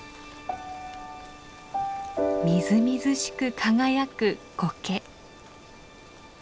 みずみずしく輝くコケ。